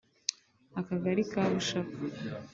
Akagari ka Bushaka